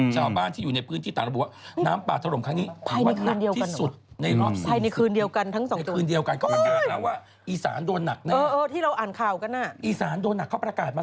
เจ้าบ้านที่อยู่ในพื้นที่ตำรบัวน้ำป่าถร่มครั้งนี้ในวันที่สุดในรอบสี่สิบ